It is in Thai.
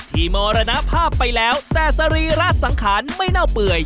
มรณภาพไปแล้วแต่สรีระสังขารไม่เน่าเปื่อย